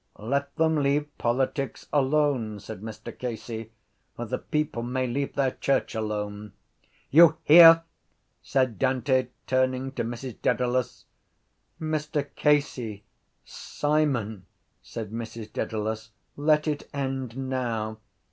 —Let them leave politics alone, said Mr Casey, or the people may leave their church alone. —You hear? said Dante, turning to Mrs Dedalus. —Mr Casey! Simon! said Mrs Dedalus, let it end now.